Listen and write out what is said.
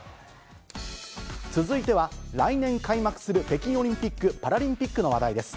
続いては、来年開幕する北京オリンピック・パラリンピックの話題です。